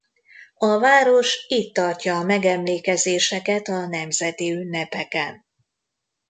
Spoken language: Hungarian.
A város itt tartja a megemlékezéseket a nemzeti ünnepeken.